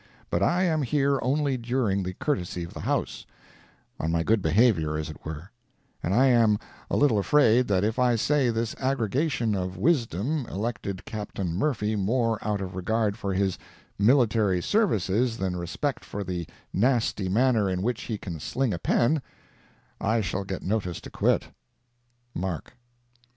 But I am here only during the courtesy of the House—on my good behavior, as it were—and I am a little afraid that if I say this aggregation of Wisdom elected Captain Murphy more out of regard for his military services than respect for the nasty manner in which he can sling a pen, I shall get notice to quit.—MARK.